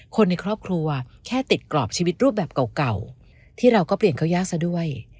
คนในครอบครัวแค่ติดกรอบชีวิตรูปแบบเก่าที่เราก็เปลี่ยนเขายากซะด้วย